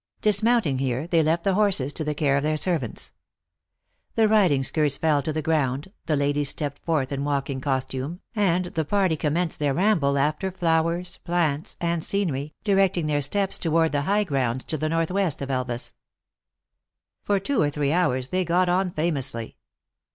Dismounting here, they left the horses to the care of their servants. The riding skirts fell to the ground, the ladies stepped forth in walking costume, and the party commenced their ramble after flowers, plants, and scenery, directing their steps toward the high grounds to the northwest of Elvas. For two or three hours they got on famously.